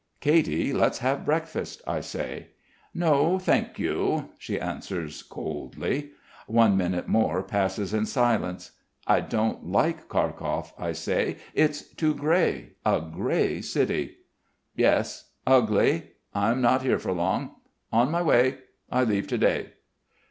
"Katy, let's have breakfast," I say. "No, thank you," she answers coldly. One minute more passes in silence. "I don't like Kharkov," I say. "It's too grey. A grey city." "Yes ... ugly.... I'm not here for long.... On my way. I leave to day."